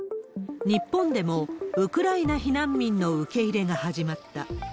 日本でもウクライナ避難民の受け入れが始まった。